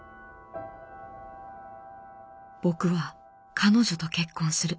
「僕は彼女と結婚する。